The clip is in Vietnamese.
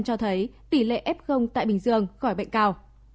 cho thấy tỷ lệ f tại bình dương khỏi bệnh cao